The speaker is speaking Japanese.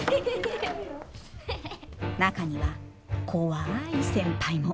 中には怖い先輩も。